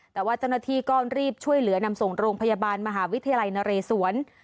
แต่ว่าเจ้าหน้าที่ก็รีบช่วยเหลือนำส่งโรงพยาบาลมหาวิทยาลัยนเรศวร